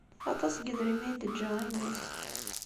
Aṭas n yidrimen i d-teǧǧa i mmi-s.